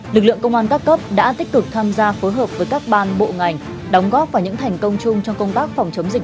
lực lượng công an các cấp đã tích cực tham gia phối hợp với các ban bộ ngành đóng góp và những thành công chung trong công tác phòng chống dịch